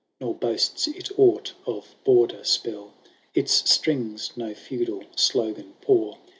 Nor boasts it aught of Border spell ; Its strings no feudal slogan pour.